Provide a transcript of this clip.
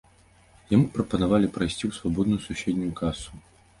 Яму прапанавалі прайсці ў свабодную суседнюю касу.